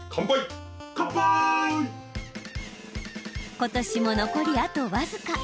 今年も残りあと僅か。